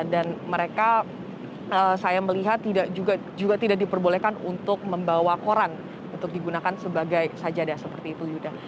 dan mereka saya melihat juga tidak diperbolehkan untuk membawa koran untuk digunakan sebagai sajada seperti itu yuda